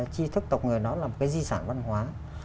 chi thức tộc người nó là một cái di sản văn hóa